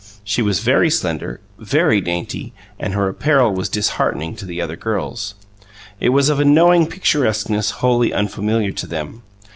She was very slender, very dainty, and her apparel was disheartening to the other girls; it was of a knowing picturesqueness wholly unfamiliar to them.